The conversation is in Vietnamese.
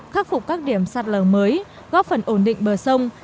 khắc phục các điểm sạt lở mới góp phần ổn định bờ sông